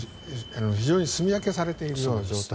非常にすみ分けされている状態。